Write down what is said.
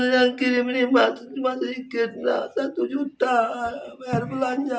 yang kirim ini masih kena satu juta belanja